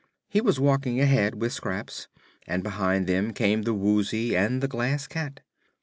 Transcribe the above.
He was walking ahead, with Scraps, and behind them came the Woozy and the Glass Cat.